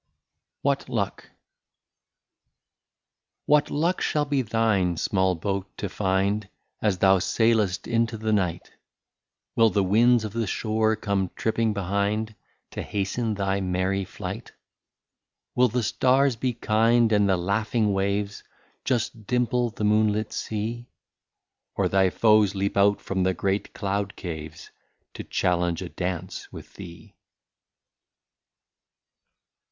II WHAT LUCK What luck shall be thine, small boat, to find. As thou sailest into the night ? Will the winds of the shore come tripping behind, To hasten thy merry flight ; Will the stars be kind, and the laughing waves Just dimple the moonlit sea ; Or thy foes leap out from the great cloud caves, To challenge a dance with thee